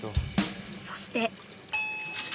そして。